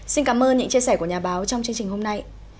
xin cảm ơn những chia sẻ của nhà báo trong chương trình hôm nay